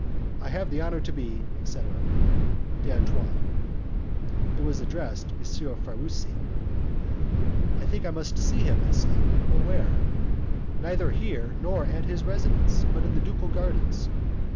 "I have the honour to be, etc. "D'ANTOINE." It was addressed M. Farusi. "I think I must see him," I said, "but where?" "Neither here nor at his residence, but in the ducal gardens.